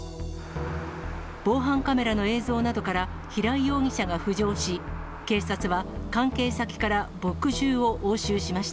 防犯カメラの映像などから、平井容疑者が浮上し、警察は、関係先から墨汁を押収しました。